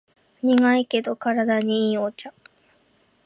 苦いけど体にいいお茶